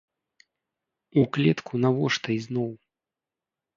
У клетку навошта ізноў?